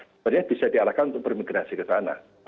sebenarnya bisa diarahkan untuk bermigrasi ke sana